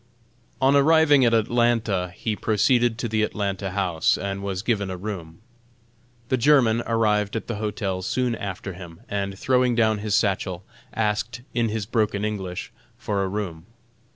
On arriving at Atlanta he proceeded to the Atlanta House, and was given a room. The German arrived at the hotel soon after him, and throwing down his satchel, asked, in his broken English, for a room.